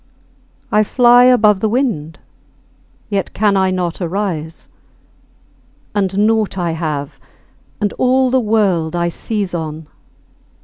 I fly above the wind, yet can I not arise. And naught I have, and all the world I seize on.